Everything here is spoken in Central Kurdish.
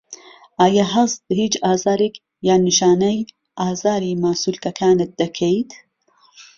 ئایا هەست بە هیچ ئازارێک یان نیشانەی ئازاری ماسوولکەکانت دەکەیت؟